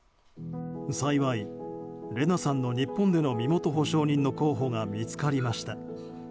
幸い、レナさんの日本での身元保証人の候補が見つかりました。